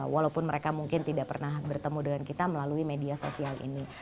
walaupun mereka mungkin tidak pernah bertemu dengan kita melalui media sosial ini